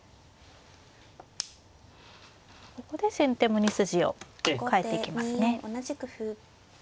ここで先手も２筋を換えていきますね。